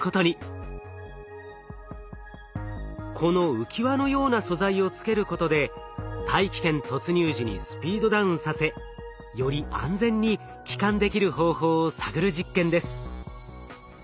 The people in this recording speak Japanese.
この浮き輪のような素材をつけることで大気圏突入時にスピードダウンさせより安全に帰還できる方法を探る実験です。